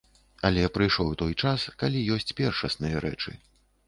Але прыйшоў той час, калі ёсць першасныя рэчы.